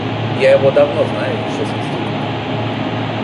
Я его давно знаю, еще с института.